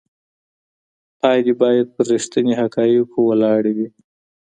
پایلي باید پر رښتیني حقایقو وولاړي وي.